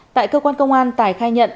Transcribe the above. tại cơ quan công an tài khai nhận